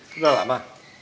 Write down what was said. sudah lah ma